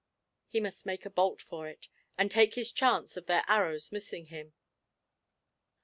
He must make a bolt for it, and take his chance of their arrows missing him.